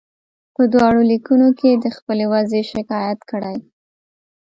په دواړو لیکونو کې یې د خپلې وضعې شکایت کړی.